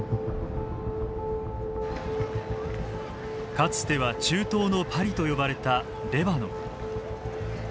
かつては中東のパリと呼ばれたレバノン。